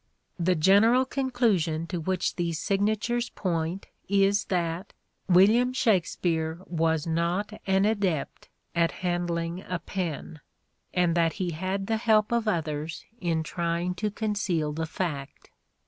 The general conclusion to which these signatures point is that William Shakspere was not an adept at handling a pen, and that he had the help of others in trying to conceal the fact.